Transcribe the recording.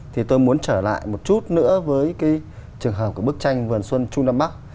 thì tôi muốn trở lại một chút nữa với cái trường hợp của bức tranh vườn xuân trung đông bắc